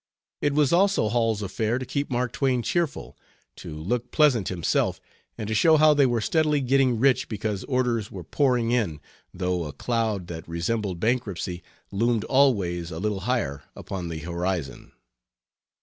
It was also Hall's affair to keep Mark Twain cheerful, to look pleasant himself, and to show how they were steadily getting rich because orders were pouring in, though a cloud that resembled bankruptcy loomed always a little higher upon the horizon.